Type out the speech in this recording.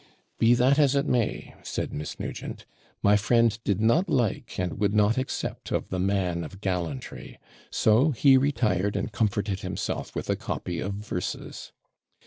'Be that as it may,' said Miss Nugent; 'my friend did not like, and would not accept, of the man of gallantry; so he retired and comforted himself with a copy of verses.